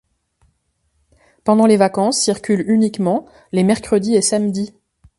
Pendant les vacances, circulent uniquement les mercredis et samedis.